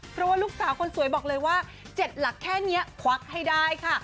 เพราะว่าลูกสาวคนสวยบอกเลยว่า๗หลักแค่นี้ควักให้ได้ค่ะ